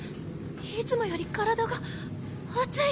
いつもより体が熱い！